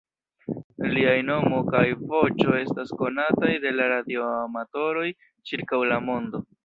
Liaj nomo kaj voĉo estas konataj de la radioamatoroj ĉirkaŭ la mondo.